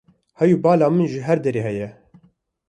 Hay û bala min ji her derê heye.